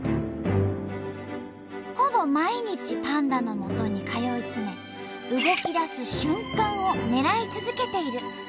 ほぼ毎日パンダのもとに通い詰め動きだす瞬間を狙い続けている。